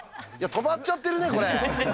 止まっちゃってるね、これ。